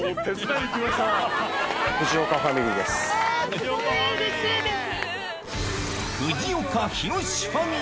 すごいうれしいです。